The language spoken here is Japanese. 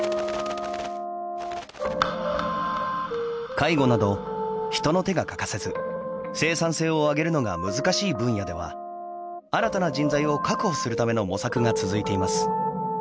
介護など人の手が欠かせず生産性を上げるのが難しい分野では新たな人材を確保するための模索が続いています。